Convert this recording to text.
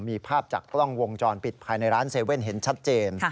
มีภาพจากกล้องวงจรปิดภายในร้าน๗๑๑เห็นชัดเจน